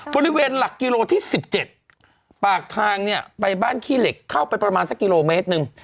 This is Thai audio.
บริเวณหลักกิโลที่๑๗ปากทางเนี่ยไปบ้านขี้เหล็กเข้าไปประมาณสักกิโลเมตรหนึ่ง